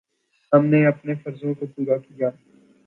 ہم نے اپنے فرضوں کو پورا کیا۔